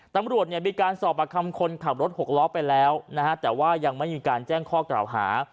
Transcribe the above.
ตำรวจเนี่ยมีการสอบประคำคนขับรถหกล้อไปแล้วนะฮะแต่ว่ายังไม่มีการแจ้งข้อกล่าวหา